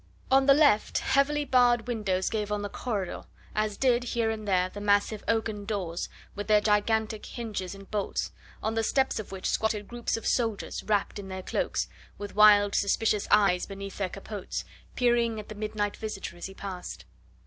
On the left, heavily barred windows gave on the corridor, as did here and there the massive oaken doors, with their gigantic hinges and bolts, on the steps of which squatted groups of soldiers wrapped in their cloaks, with wild, suspicious eyes beneath their capotes, peering at the midnight visitor as he passed.